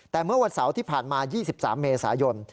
แต่เมื่อวันเสาร์ที่ผ่านมา๒๓เมษายน